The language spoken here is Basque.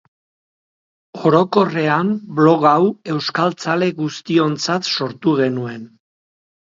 Orokorrean, blog hau euskaltzale guztiontzat sortu genuen.